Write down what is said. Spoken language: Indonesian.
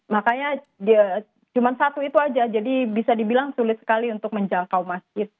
makanya cuma satu itu aja jadi bisa dibilang sulit sekali untuk menjangkau masjid